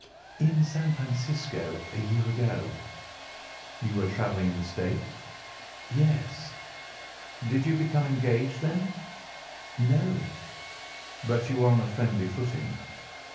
"In San Francisco, a year ago." "You were travelling in the States?" "Yes." "Did you become engaged then?" "No." "But you were on a friendly footing?"